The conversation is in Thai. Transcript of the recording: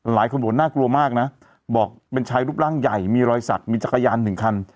หลายคนบอกว่าน่ากลัวมากนะบอกเป็นชายรูปร่างใหญ่มีรอยสักมีจักรยานหนึ่งคัน